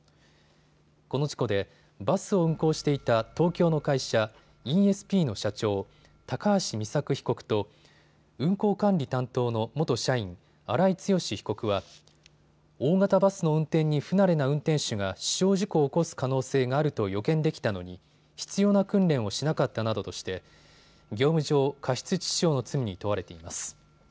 この事故でバスを運行していた東京の会社、イーエスピーの社長、高橋美作被告と運行管理担当の元社員、荒井強被告は大型バスの運転に不慣れな運転手が死傷事故を起こす可能性があると予見できたのに必要な訓練をしなかったなどとして業務上過失致死傷の罪に問われています。